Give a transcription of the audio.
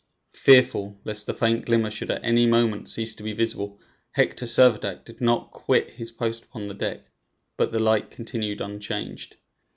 Fearful lest the faint glimmer should at any moment cease to be visible, Hector Servadac did not quit his post upon the deck; but the light continued unchanged.